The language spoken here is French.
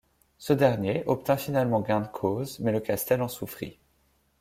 Ce dernier obtint finalement gain de cause mais le castel en souffrit.